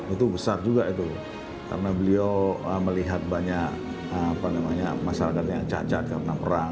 itu besar juga itu karena beliau melihat banyak masyarakat yang cacat karena perang